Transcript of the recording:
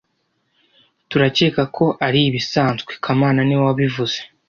Turakeka ko ari ibisanzwe kamana niwe wabivuze